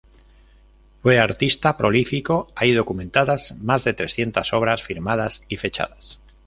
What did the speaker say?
Fue artista prolífico; hay documentadas más de trescientas obras firmadas y fechadas.